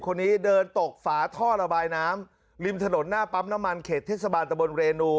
คนนี้เดินตกฝาท่อระบายน้ำริมถนนหน้าปั๊มน้ำมันเขตเทศบาลตะบนเรนู